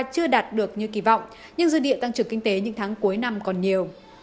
chưa đạt được như kỳ vọng nhưng dư địa tăng trưởng kinh tế những tháng cuối năm còn nhiều